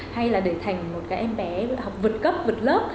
hay là để thành một cái em bé là học vượt cấp vượt lớp